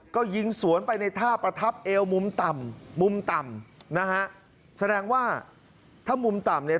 ก็ยิงสวนไปในท่าประทับเอวมุมต่ำมุมต่ำนะฮะแสดงว่าถ้ามุมต่ำเนี่ย